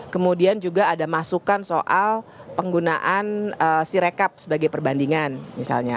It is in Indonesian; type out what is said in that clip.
kemudian juga ada masukan soal penggunaan sirekap sebagai perbandingan misalnya